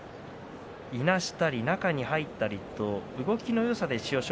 いなしたり中に入ったりと動きのよさで千代翔